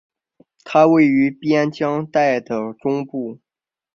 它位于边疆带的中部。